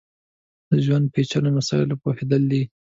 د ژوند پېچلیو مسایلو پوهېدلی دی.